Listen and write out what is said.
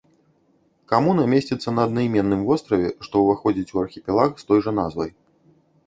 Камуна месціцца на аднайменным востраве, што ўваходзіць у архіпелаг з той жа назвай.